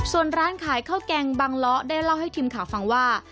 ส่วนร้านขายข้าวแกงบังล้อได้เล่าให้ทีมข่าวฟังว่า